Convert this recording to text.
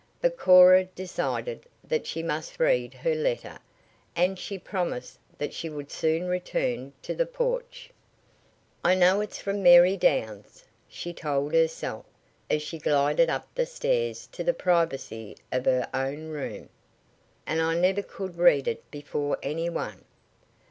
But Cora decided that she must read her letter, and she promised that she would soon return to the porch. "I know it's from Mary Downs," she told herself as she glided up the stairs to the privacy of her oven room. "And I never could read it before any one."